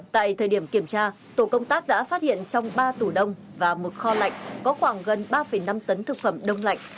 tại thời điểm kiểm tra tổ công tác đã phát hiện trong ba tủ đông và một kho lạnh có khoảng gần ba năm tấn thực phẩm đông lạnh